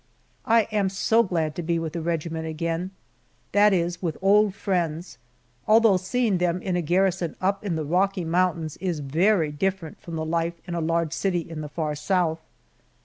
I am so glad to be with the regiment again that is, with old friends, although seeing them in a garrison up in the Rocky Mountains is very different from the life in a large city in the far South!